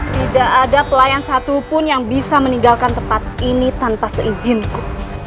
tidak ada pelayan satupun yang bisa meninggalkan tempat ini tanpa seizinku